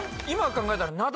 今考えたら。